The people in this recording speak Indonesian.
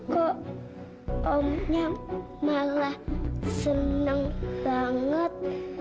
kok omnya malah seneng banget